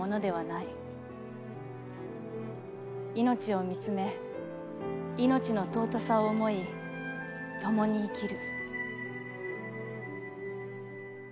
いのちを見つめいのちの尊さを思い共に生きる。